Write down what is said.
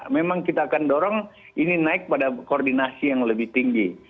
memang kita akan dorong ini naik pada koordinasi yang lebih tinggi